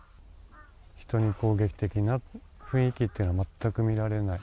人に攻撃的な雰囲気っていうのは全く見られない。